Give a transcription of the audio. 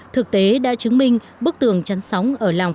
thực tế đã chứng minh bức tường chắn sóng ở lào pháp